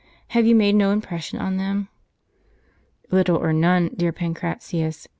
Have you made no impression on them? "" Little or none, dear Pancratius.